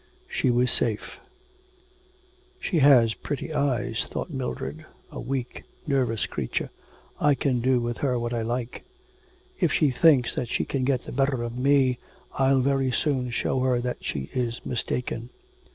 She was safe. 'She has pretty eyes,' thought Mildred, 'a weak, nervous creature; I can do with her what I like. ... If she thinks that she can get the better of me, I'll very soon show her that she is mistaken.